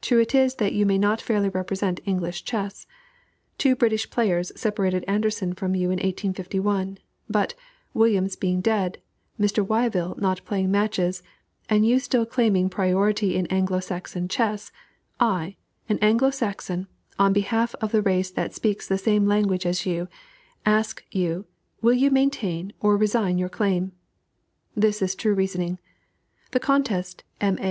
True it is that you may not fairly represent English chess. Two British players separated Anderssen from you in 1851, but, Williams being dead, Mr. Wyvill not playing matches, and you still claiming priority in Anglo Saxon chess, I, an Anglo Saxon, on behalf of the race that speaks the same language, ask you, will you maintain or resign your claim?" This is true reasoning. The contest, "M. A."